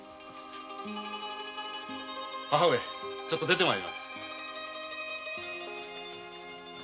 母上ちょっと出て参ります。